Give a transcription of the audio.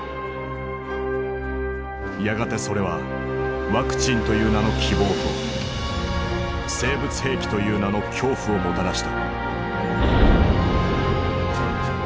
やがてそれはワクチンという名の希望と生物兵器という名の恐怖をもたらした。